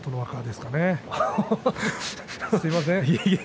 すいません。